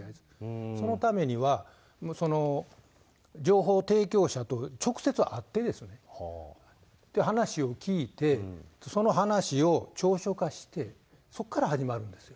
そのためには、その情報提供者と直接会ってですね、話を聞いて、その話を調書化して、そこから始まるんですよ。